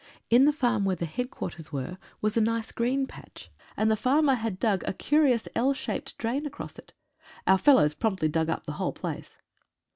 In the farm where the headquarters were was a nice green patch, and the farmer had dug a curious L shaped drain across it. Our fellows promptly dug up the whole place.